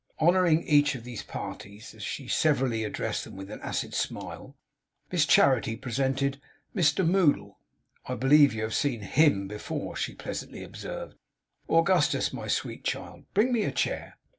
Honouring each of these parties, as she severally addressed them, with an acid smile, Miss Charity presented 'Mr Moddle.' 'I believe you have seen HIM before,' she pleasantly observed. 'Augustus, my sweet child, bring me a chair.